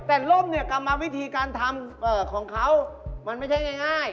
แต่ร่มเนี่ยกรรมวิธีการทำของเขามันไม่ใช่ง่าย